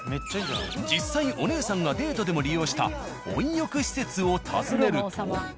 実際おねえさんがデートでも利用した温浴施設を訪ねると。